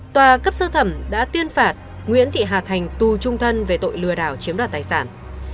tòa cấp sơ thẩm đã tuyên phạt nguyễn thị hà thành tù trung thân về tội lừa đảo chiếm đoạt tài sản